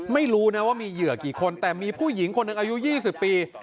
ไม่รู้นะว่ามีเหยื่อกี่คนแต่มีผู้หญิงคนหนึ่งอายุ๒๐ปี